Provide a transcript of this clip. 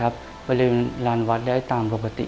บริเวณลานวัดได้ตามปกติ